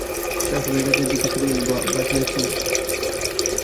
চাকরকে ডাকিয়া জিজ্ঞাসা করিল, বঁটি আছে?